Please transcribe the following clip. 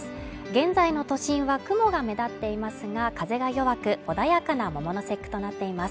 現在の都心は雲が目立っていますが、風が弱く、穏やかな桃の節句となっています。